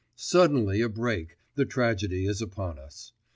Suddenly a break the tragedy is upon us.